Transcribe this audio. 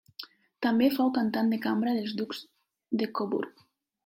També fou cantant de cambra dels ducs de Coburg.